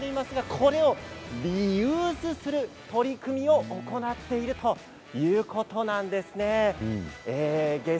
これをリユースする取り組みを行っているということなんです。